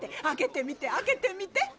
開けてみて開けてみて。